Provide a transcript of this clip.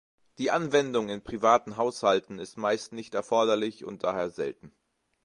Die Anwendung in privaten Haushalten ist meist nicht erforderlich und daher selten.